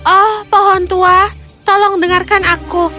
oh pohon tua tolong dengarkan aku